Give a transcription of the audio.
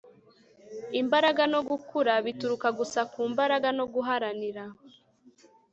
imbaraga no gukura bituruka gusa ku mbaraga no guharanira